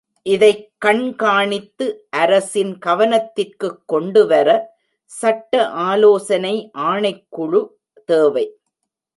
இதைக் கண்காணித்து அரசின் கவனத்திற்குக் கொண்டுவர சட்ட ஆலோசனை ஆணைக்குழு தேவை.